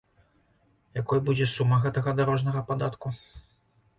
Якой будзе сума гэтага дарожнага падатку?